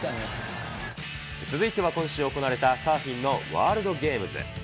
続いては今週行われた、サーフィンのワールドゲームズ。